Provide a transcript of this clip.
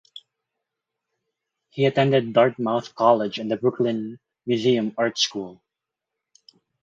He attended Dartmouth College and the Brooklyn Museum Art School.